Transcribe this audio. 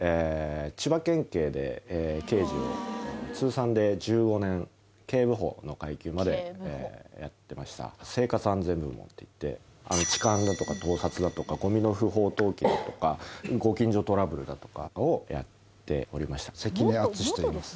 千葉県警で刑事を通算で１５年警部補の階級までやってました生活安全部門っていって痴漢だとか盗撮だとかゴミの不法投棄だとかご近所トラブルだとかをやっておりました関根篤志といいます